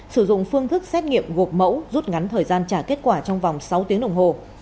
sử dụng phương thức xét nghiệm gộp mẫu rút ngắn thời gian trả kết quả trong vòng sáu tiếng đồng hồ